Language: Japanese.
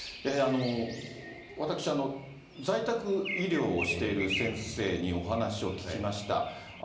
私、在宅医療をしている先生にお話を聞きました。